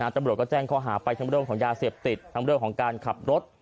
ตำรวจก็แจ้งข้อหาไปทั้งเรื่องของยาเสพติดทั้งเรื่องของการขับรถ